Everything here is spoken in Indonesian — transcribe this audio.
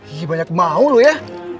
ih banyak mau lo ya